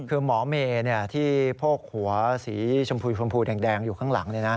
คือหมอเมย์ที่โพกหัวสีชมพูชมพูแดงอยู่ข้างหลัง